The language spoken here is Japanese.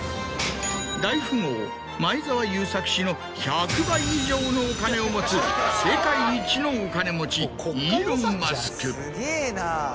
大富豪前澤友作氏の１００倍以上のお金を持つ世界一のお金持ちイーロン・マスク。